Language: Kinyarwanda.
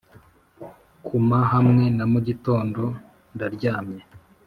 kuma hamwe na mugitondo. ndaryamye